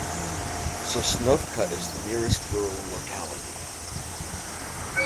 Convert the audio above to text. Sosnovka is the nearest rural locality.